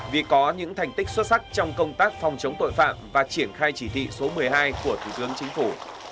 vì có những thành tích xuất sắc trong công tác phòng chống tội phạm và triển khai chỉ thị số một mươi hai của thủ tướng chính phủ